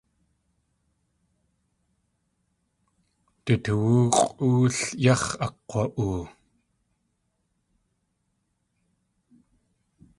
Du toowú x̲ʼool yáx̲ akg̲wa.oo.